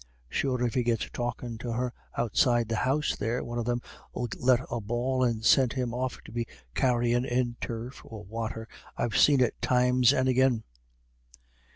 Sure, if he gets talkin' to her outside the house there, one of them 'ill let a bawl and send him off to be carryin' in turf or wather. I've seen it times and agin."